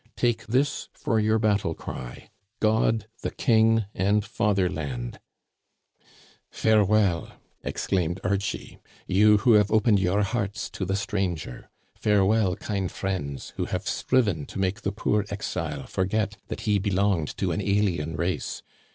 Take this for your battle cry —* God, the King, and Fatherland !'" ''Farewell!" exclaimed Archie — you who have opened your hearts to the stranger. Farewell, kind friends, who have striven to make the poor exile forget that he belonged to an alien race.